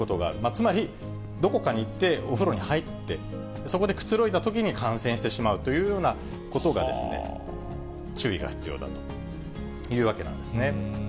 つまりどこかに行ってお風呂に入って、そこでくつろいだときに感染してしまうというようなことが、注意が必要だというわけなんですね。